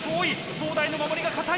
東大の守りが堅い。